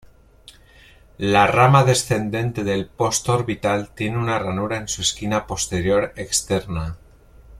La rama descendente del postorbital tiene una ranura en su esquina posterior externa.